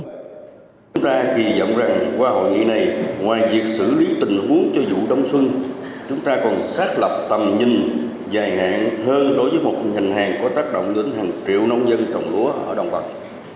chúng ta kỳ dọng rằng qua hội nghị này ngoài việc xử lý tình huống cho vụ đông xuân chúng ta còn xác lập tầm nhìn dài hạn hơn đối với một hành hàng có tác động đến hàng triệu nông dân trồng lúa ở đồng bằng